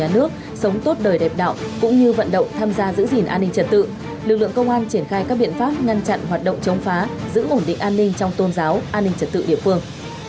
an ninh trật tự lực lượng công an triển khai các biện pháp ngăn chặn hoạt động chống phá giữ ổn định an ninh trong tôn giáo an ninh trật tự địa phương